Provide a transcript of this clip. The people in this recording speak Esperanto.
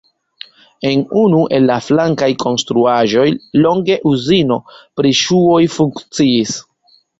En unu el la flankaj konstruaĵoj longe uzino pri ŝuoj funkciis.